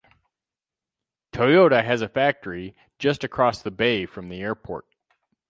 Toyota has a factory just across the bay from the airport.